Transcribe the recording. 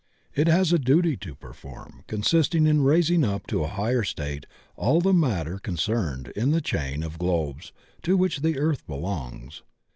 It has a duty to perform, consisting in raising up to a higher state all the matter concerned in the chain of globes to which the earth belongs.